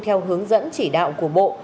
theo hướng dẫn chỉ đạo của bộ